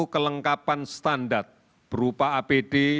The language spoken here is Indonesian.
kelengkapan standar berupa apd